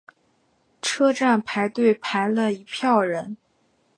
车站排队排了一票人